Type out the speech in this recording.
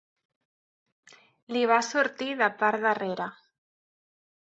Li va sortir de part d'arrere.